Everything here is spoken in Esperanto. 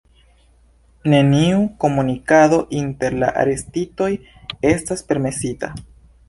Neniu komunikado inter la arestitoj estas permesita.